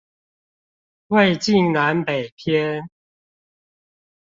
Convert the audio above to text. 魏晉南北篇